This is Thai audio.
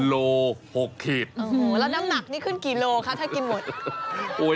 แล้วน้ำหนักนี่ขึ้นกี่โลคะถ้ากินหมด